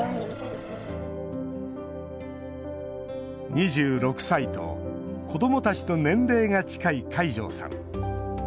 ２６歳と子どもたちと年齢が近い海上さん。